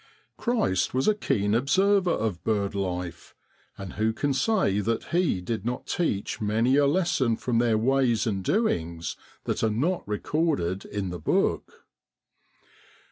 Christ was a keen observer of bird life, and who can say that He did not teach many a lesson from their ways and doings that are not recorded in the Book